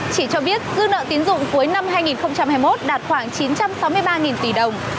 chị cho biết dư nợ tiến dụng cuối năm hai nghìn hai mươi một đạt khoảng chín trăm sáu mươi ba tỷ đồng